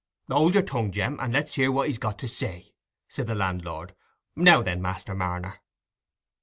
"Hold your tongue, Jem, and let's hear what he's got to say," said the landlord. "Now then, Master Marner."